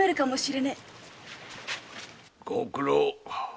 ご苦労。